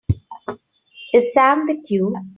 Is Sam with you?